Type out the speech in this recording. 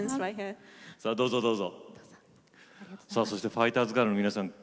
ファイターズガールの皆さん